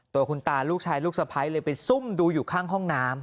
ตัวคุณตาลูกชายลูกสะพ้ายเลยไปซุ่มดูอยู่ข้างห้องน้ำ